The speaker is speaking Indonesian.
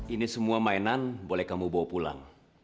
ini semua mainan boleh kamu bawa pulang